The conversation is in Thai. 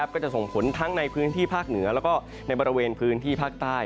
ก็จะส่งผลทั้งในพื้นที่ภาคเหนือแล้วก็ในบริเวณพื้นที่ภาคใต้